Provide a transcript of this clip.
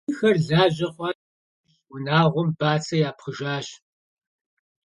Бынхэр лажьэ хъуа нэужь, унагъуэм бацэ япхъыжащ.